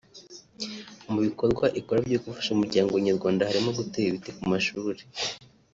Mu bikorwa ikora byo gufasha umuryango nyarwanda harimo gutera ibiti ku mashuri